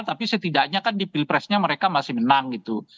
tapi setidaknya kan di pilpresnya mereka masih menang gitu